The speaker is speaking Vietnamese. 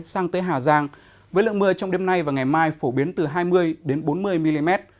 sang tới hà giang với lượng mưa trong đêm nay và ngày mai phổ biến từ hai mươi bốn mươi mm